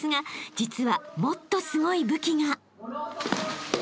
実はもっとすごい武器が］